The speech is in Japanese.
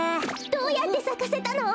どうやってさかせたの？